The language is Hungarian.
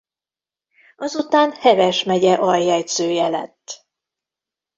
Azután Heves megye aljegyzője lett.